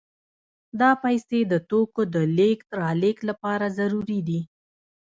دا پیسې د توکو د لېږد رالېږد لپاره ضروري دي